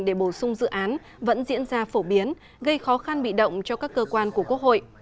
để bổ sung dự án vẫn diễn ra phổ biến gây khó khăn bị động cho các cơ quan của quốc hội